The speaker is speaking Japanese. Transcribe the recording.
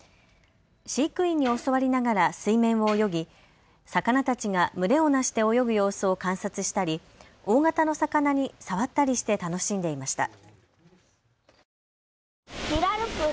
飼育員に教わりながら水面を泳ぎ魚たちが群れをなして泳ぐ様子を観察したり大型の魚に触ったりして楽しんでいました。